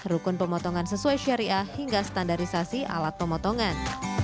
rukun pemotongan sesuai syariah hingga standarisasi alat pemotongan